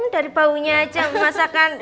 dari baunya aja masakan